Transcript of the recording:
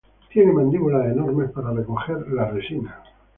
Tiene mandíbulas enormes para recoger la resina.